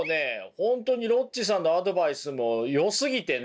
本当にロッチさんのアドバイスもよすぎてね